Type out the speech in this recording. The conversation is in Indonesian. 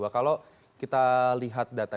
kalau kita lihat data